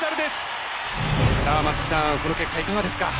さあ松木さんこの結果いかがですか？